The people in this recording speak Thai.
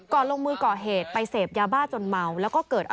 ก่อนลงมือก่อเหตุไปเสพยาบ้าจนเมา